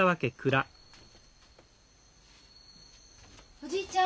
おじいちゃん。